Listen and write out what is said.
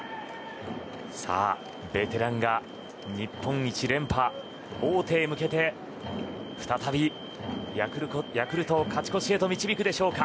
さあ、ベテランが日本一連覇王手へ向けて、再びヤクルトを勝ち越しへと導くでしょうか。